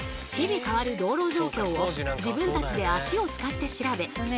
日々変わる道路状況を自分たちで足を使って調べ